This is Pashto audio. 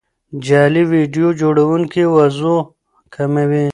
جعلي ویډیو جوړونکي وضوح کموي.